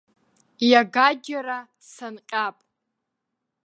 Иагаџьара санҟьап.